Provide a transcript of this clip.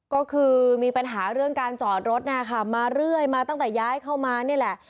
ก็คือมีปัญหาเรื่องการจอดรถนะคะมาเรื่อยมาตั้งแต่ย้ายเข้ามานี่แหละ